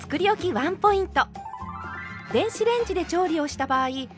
ワンポイント。